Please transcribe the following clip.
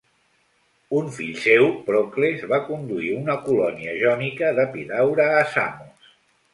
Un fill seu, Procles, va conduir una colònia jònica d'Epidaure a Samos.